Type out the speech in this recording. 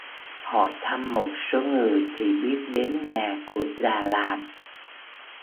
Hỏi thăm một số người thì biết đến nhà của già làm